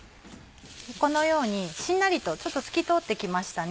このようにしんなりとちょっと透き通って来ましたね。